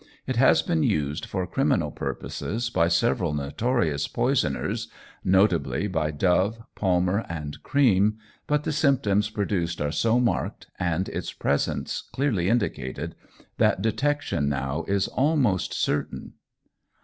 It has been used for criminal purposes by several notorious poisoners, notably by Dove, Palmer, and Cream, but the symptoms produced are so marked and its presence clearly indicated, that detection now is almost certain.